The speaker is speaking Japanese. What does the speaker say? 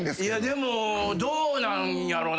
でもどうなんやろな。